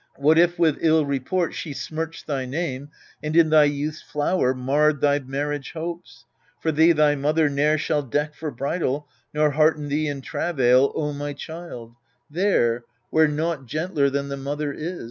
What if with ill report she smirched thy name, And in thy youth's flower marred thy marriage hopes . For thee thy mother ne'er shall deck for bridal, Nor hearten thee in travail, O my child, There, where naught gentler than the mother is.